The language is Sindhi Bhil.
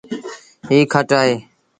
ايٚ کٽ اهي ۔